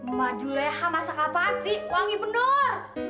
emak juleha masak apaan sih wangi bener